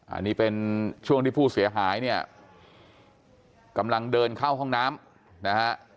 อันนี้เป็นช่วงที่ผู้เสียหายเนี่ยกำลังเดินเข้าห้องน้ำนะฮะ